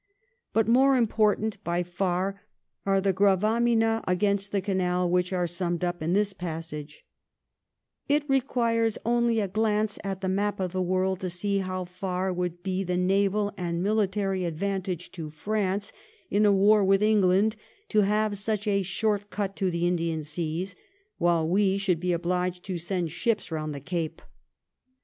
But more important by far are the gravamina against the canal which are summed up in this passage :— It reqiures only a glanee at the map of the world to see how great would be the nayal and military advantage to France in a war with England to have such a short cut to the Indian Seas, while we shonld be obliged to send ships round the Gape.